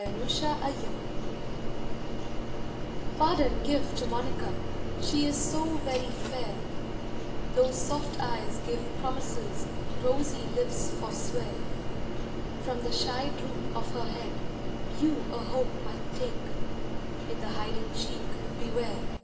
MONICA Pardon give to Monica, She is so very fair — Though soft eyes give promises Rosy hps forswear. From the shy droop of her head You a hope might take ; In the hiding cheek, bew^are.